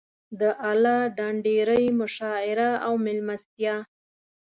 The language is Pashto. د اله ډنډ ډېرۍ مشاعره او مېلمستیا.